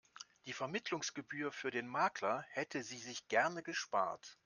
Die Vermittlungsgebühr für den Makler hätte sie sich gerne gespart.